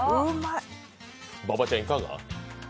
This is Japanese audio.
馬場ちゃんいかが？